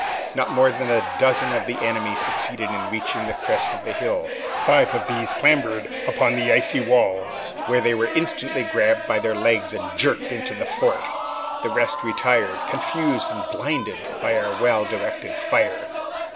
Not more than a dozen of the enemy succeeded in reaching the crest of the hill; five of these clambered upon the icy walls, where they were instantly grabbed by the legs and jerked into the fort. The rest retired confused and blinded by our well directed fire.